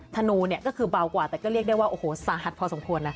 ธนูเนี่ยก็คือเบากว่าแต่ก็เรียกได้ว่าโอ้โหสาหัสพอสมควรนะ